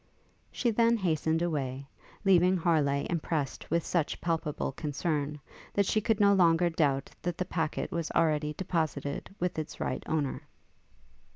She then hastened away, leaving Harleigh impressed with such palpable concern, that she could no longer doubt that the packet was already deposited with its right owner.